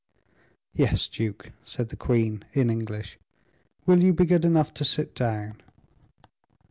"Yes, duke," said the queen, in English; "will you be good enough to sit down?"